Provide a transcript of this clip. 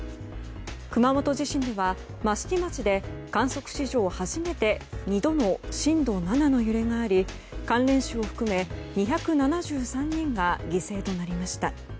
熊本地震では益城町で観測史上初めて２度の震度７の揺れがあり関連死を含め２７３人が犠牲となりました。